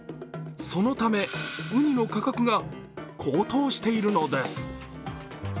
そのため、うにの価格が高騰しているのです。